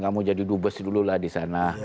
kamu jadi dubes dulu lah di sana